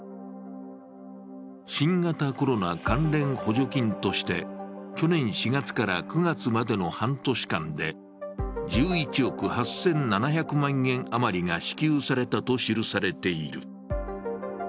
新型コロナ関連補助金として去年４月から９月までの半年間で１１億８７００万円余りが支給されたと記されている。